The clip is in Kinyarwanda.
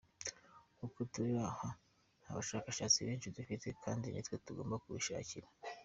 Uko turi aha nta bashakashatsi benshi dufite kandi nitwe tugomba kubishakira.